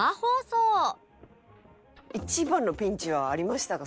一番のピンチはありましたか？